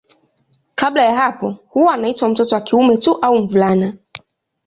Kabla ya hapo huwa anaitwa mtoto wa kiume tu au mvulana.